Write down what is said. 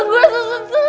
daw vegetarian kamu